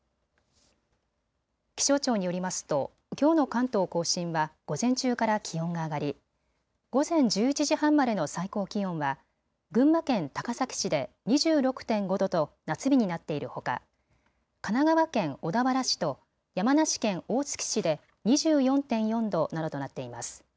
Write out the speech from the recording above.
気象庁によりますときょうの関東甲信は午前中から気温が上がり午前１１時半までの最高気温は群馬県高崎市で２６．５度と夏日になっているほか神奈川県小田原市と山梨県大月市で２４．４度などとなっています。